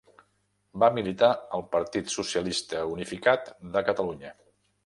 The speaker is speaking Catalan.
Va militar al Partit Socialista Unificat de Catalunya.